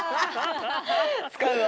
使うわ。